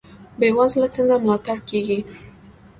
بې وزله څنګه ملاتړ کیږي؟